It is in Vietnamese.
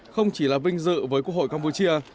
không chỉ là vinh dự với quốc hội campuchia